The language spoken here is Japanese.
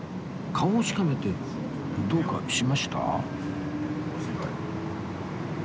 顔をしかめてどうかしました？